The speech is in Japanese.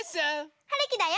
はるきだよ。